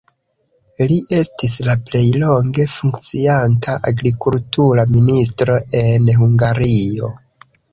Li estis la plej longe funkcianta agrikultura ministro en Hungario.